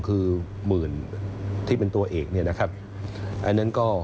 คือหมื่นที่เป็นตัวเอก